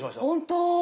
本当。